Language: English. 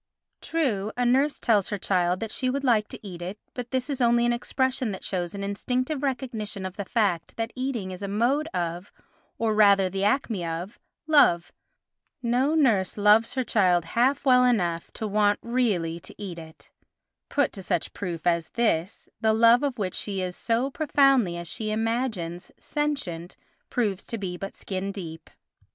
True, a nurse tells her child that she would like to eat it, but this is only an expression that shows an instinctive recognition of the fact that eating is a mode of, or rather the acme of, love—no nurse loves her child half well enough to want really to eat it; put to such proof as this the love of which she is so profoundly, as she imagines, sentient proves to be but skin deep.